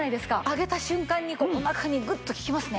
上げた瞬間におなかにグッと効きますね。